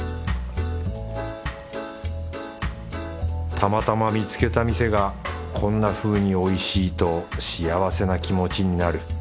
たまたま見つけた店がこんなふうにおいしいと幸せな気持ちになる。